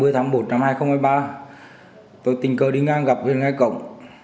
ba mươi tháng một năm hai nghìn hai mươi ba tôi tình cờ đi ngang gặp huyện ngai cộng